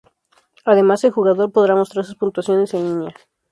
Además el jugador podrá mostrar sus puntuaciones en línea.